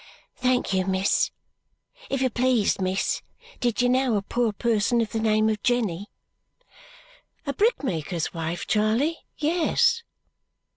"Thank you, miss. If you please, miss, did you know a poor person of the name of Jenny?" "A brickmaker's wife, Charley? Yes."